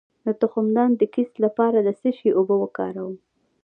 د تخمدان د کیست لپاره د څه شي اوبه وکاروم؟